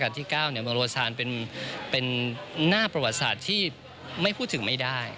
เมืองโลซานเป็นหน้าประวัติศาสตร์ที่ไม่พูดถึงไม่ได้